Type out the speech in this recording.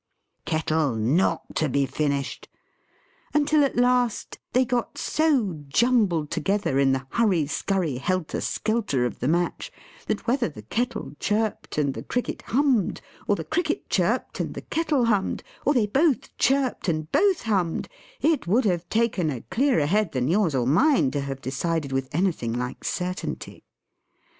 Kettle not to be finished. Until at last, they got so jumbled together, in the hurry skurry, helter skelter, of the match, that whether the Kettle chirped and the Cricket hummed, or the Cricket chirped and the Kettle hummed, or they both chirped and both hummed, it would have taken a clearer head than your's or mine to have decided with anything like certainty.